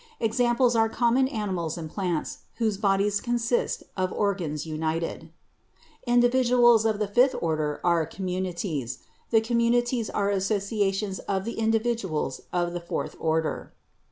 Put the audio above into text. Examples are common animals and plants, whose bodies consist of organs united. Individuals of the fifth order are communities. The communities are associations of individuals of the fourth order.